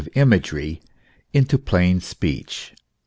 of imagery into plain speech.